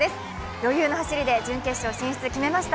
余裕の走りで準決勝進出決めました。